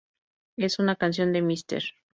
Es una canción de Mr.